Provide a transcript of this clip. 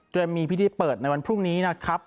โดยมีพิธีเปิดในวันพรุ่งนี้นะครับ